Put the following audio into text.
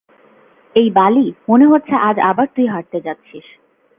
এই বালি মনে হচ্ছে আজ আবার তুই হারতে যাচ্ছিস।